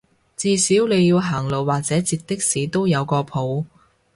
至少你要行路或者截的士都有個譜